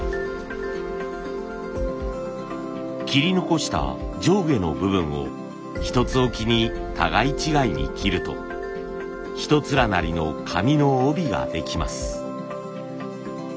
切り残した上下の部分を一つ置きに互い違いに切るとひと連なりの紙の帯ができます。